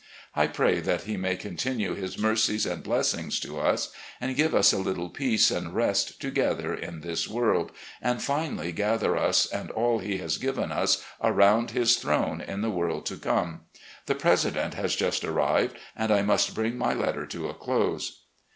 I pray that He may continue His mercies and blessings to us, and give us a little peace and rest together in this world, and finally gather us and all He has given us around His throne in the world to come. The Presi dent has just arrived, and I must bring my letter to a close."